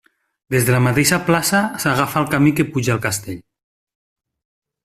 Des de la mateixa plaça s'agafa el camí que puja al castell.